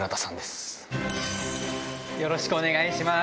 よろしくお願いします。